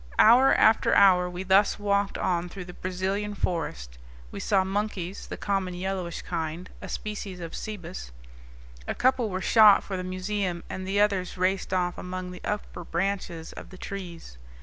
Hour after hour we thus walked on through the Brazilian forest. We saw monkeys, the common yellowish kind, a species of cebus; a couple were shot for the museum and the others raced off among the upper branches of the trees.